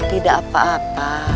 tidak apa apa